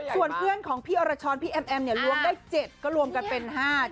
ส่วนเพื่อนของพี่อรชรพี่แอมแอมเนี่ยล้วงได้๗ก็รวมกันเป็น๕๗